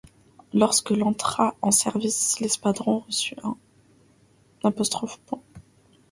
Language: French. Lorsque l' entra en service, l'escadron reçut un '.